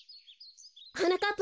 はなかっ